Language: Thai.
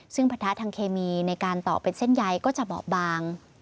ซึ่งปะทะทางเคมีในการต่อเป็นเส้นใยก็จะบอบบาง